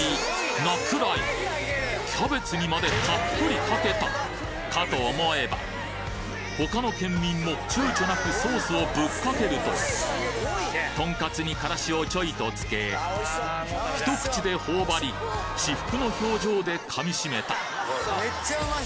なくらいキャベツにまでたっぷりかけた！かと思えばほかの県民もちゅうちょなくソースをぶっかけるととんかつに辛子をちょいとつけ一口で頬張り至福の表情で噛みしめたうまい。